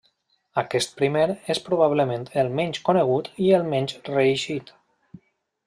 Aquest primer és probablement el menys conegut i menys reeixit.